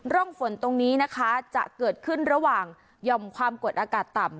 ร่องฝนตรงนี้นะคะจะเกิดขึ้นระหว่างหย่อมความกดอากาศต่ำ